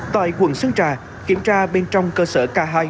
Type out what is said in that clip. tại quận sơn trà kiểm tra bên trong cơ sở k hai